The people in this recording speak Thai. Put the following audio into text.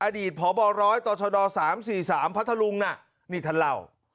อดีตพบรตศ๓๔๓พระทะลุงน่ะนี่ท่านเล่า